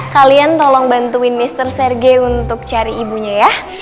kalian tolong bantuin mr serge untuk cari ibunya ya